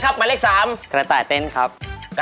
๕๐๐บาทครับผม